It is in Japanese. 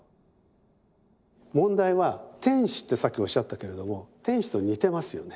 問題は「天使」ってさっきおっしゃったけれども天使と似てますよね。